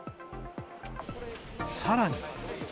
さらに。